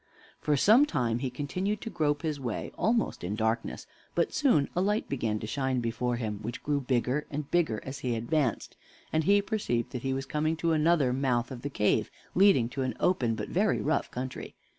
For some time he continued to grope his way almost in darkness, but soon a light began to shine before him, which grew bigger and bigger as he advanced, and he perceived that he was coming to another mouth of the cave, leading to an open but very rough country.